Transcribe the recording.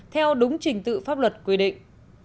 theo đúng trình tự pháp luật quy định